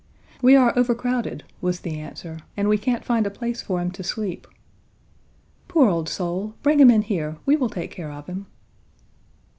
"We are overcrowded," was the answer, "and we can't find a place for him to sleep." "Poor old soul; bring him in here. We will take care of him."